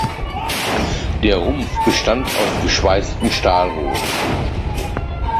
Der Rumpf bestand aus geschweißten Stahlrohren.